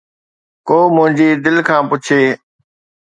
ڪو منهنجي دل کان پڇي